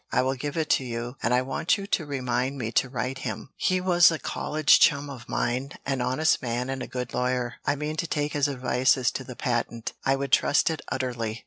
I will give it to you, and I want you to remind me to write him he was a college chum of mine, an honest man and a good lawyer. I mean to take his advice as to the patent; I would trust it utterly."